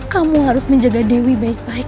kamu harus menjaga dewi baik baik